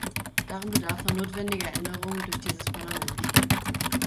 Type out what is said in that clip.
Darum bedarf er notwendiger Änderungen durch dieses Parlament.